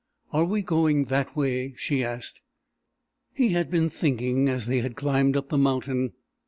"Are we going that way?" she asked. He had been thinking as they had climbed up the mountain.